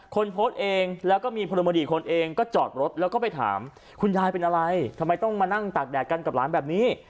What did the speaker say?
คนโพสต์เองแล้วก็มีพลเมืองดีคนเองก็จอดรถแล้วก็ไปถามคุณยายเป็นอะไรทำไมต้องมานั่งตากแดดกันกับหลานแบบนี้